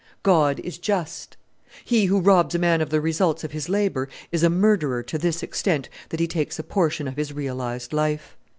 "God is just. He who robs a man of the results of his labour is a murderer to this extent that he takes a portion of his realized life.